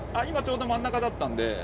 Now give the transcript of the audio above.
今ちょうど真ん中だったので。